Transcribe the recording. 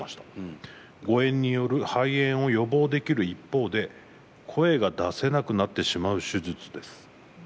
誤えんによる肺炎を予防できる一方で、声が出せなくなってしまう手術です。